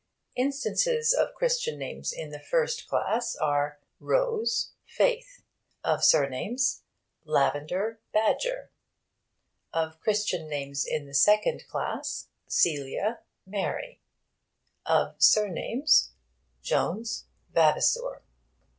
Instances of Christian names in the first class are Rose, Faith; of surnames, Lavender, Badger; of Christian names in the second class, Celia, Mary; of surnames, Jones, Vavasour.